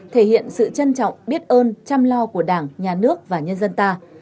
thể hiện sự trân trọng biết ơn chăm lo của đảng nhà nước và nhân dân ta